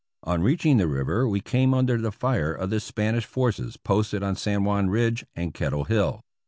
On reaching the river we came under the fire of the Spanish forces posted on San Juan Ridge and Kettle Hill.